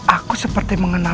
aku seperti mengenal